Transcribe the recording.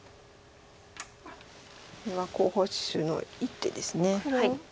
これは候補手の一手です。